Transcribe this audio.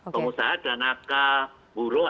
pengusaha ada nakal buruh